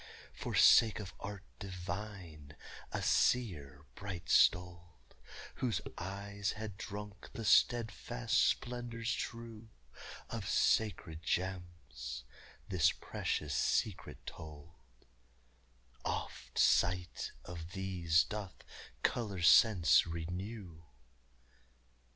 For sake of art divine a seer bright stoled, Whose eyes had drunk the steadfast splendors true Of sacred gems, this precious secret told: "Oft sight of these doth color sense renew!"